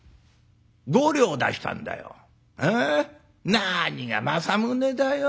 何が正宗だよ。